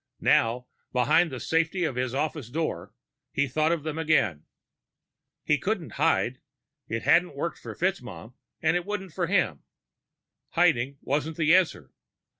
Now, behind the safety of his office door, he thought of them again. He couldn't hide. It hadn't worked for FitzMaugham, and it wouldn't for him. Hiding wasn't the answer.